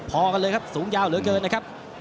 พอกันเลยครับสูงยาวเหลือเกินนะครับ